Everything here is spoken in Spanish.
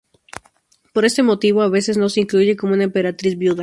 Por este motivo, a veces no se incluye como una emperatriz viuda.